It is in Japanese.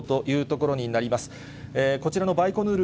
こちらのバイコヌール